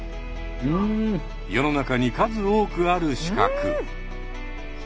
世の中に数多くある資格。